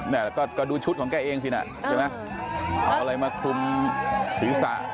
แม่ก็ดูชุดของแกเองสินะเอาอะไรมาคุมศีรษะ